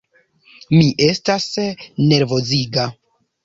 Mi estas nervoziga.